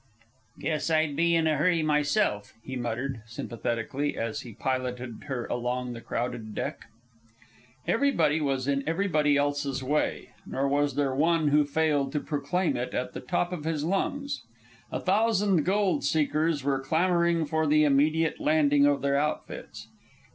"Guess I'd be in a hurry myself," he muttered, sympathetically, as he piloted her along the crowded deck. Everybody was in everybody else's way; nor was there one who failed to proclaim it at the top of his lungs. A thousand gold seekers were clamoring for the immediate landing of their outfits.